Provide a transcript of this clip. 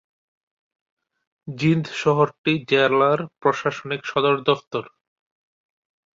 জিন্দ শহরটি জেলার প্রশাসনিক সদর দফতর।